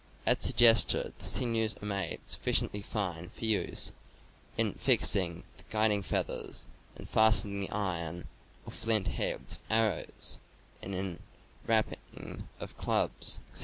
As suggested, the sinews are made sufficiently fine for use in fixing the guiding feathers, and fastening the iron or flint heads of arrows, and in wrapping of clubs, etc.